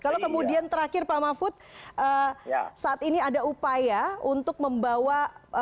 kalau kemudian terakhir pak mahfud saat ini ada upaya untuk membawa